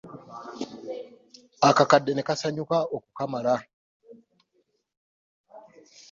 Akakadde ne kasanyuka okukamala.